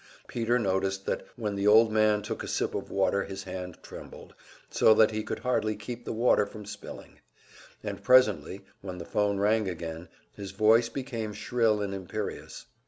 Peter noticed that when the old man took a sip of water his hand trembled so that he could hardly keep the water from spilling; and presently, when the phone rang again, his voice became shrill and imperious.